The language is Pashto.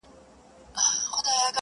سیاه پوسي ده، ورته ولاړ یم.